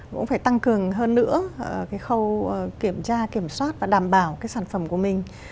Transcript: cũng phải tăng cường hơn nữa khâu kiểm tra kiểm soát và đảm bảo sản phẩm của mình